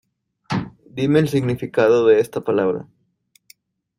Dime el significado de esta palabra.